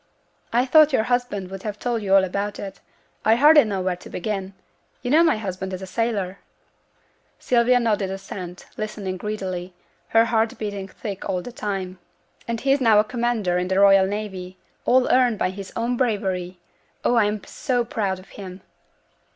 'I thought your husband would have told you all about it; I hardly know where to begin. You know my husband is a sailor?' Sylvia nodded assent, listening greedily, her heart beating thick all the time. 'And he's now a Commander in the Royal Navy, all earned by his own bravery! Oh! I am so proud of him!'